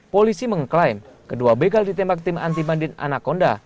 polisi mengklaim kedua begal ditembak tim anti bandit anaconda